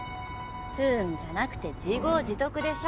不運じゃなくて自業自得でしょ